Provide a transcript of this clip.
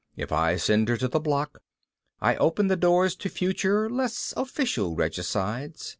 If I send her to the block, I open the doors to future, less official regicides.